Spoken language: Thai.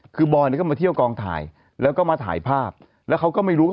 คือบอยเนี่ยก็มาเที่ยวกองถ่ายแล้วก็มาถ่ายภาพแล้วเขาก็ไม่รู้